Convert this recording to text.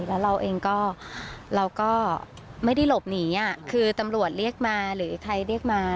แล้วเราเองก็เราก็ไม่ได้หลบหนีคือตำรวจเรียกมาหรือใครเรียกมา